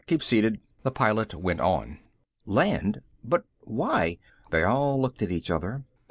Keep seated." The pilot went on. "Land? But why?" They all looked at each other.